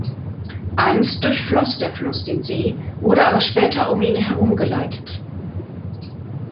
Einst durchfloss der Fluss den See, wurde aber später um ihn herumgeleitet.